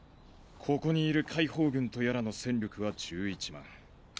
ここにいる解放軍とやらの戦力は１１万。